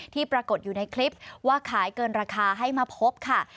ปรากฏอยู่ในคลิปว่าขายเกินราคาให้มาพบค่ะ